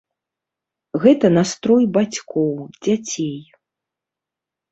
Гэта настрой бацькоў, дзяцей.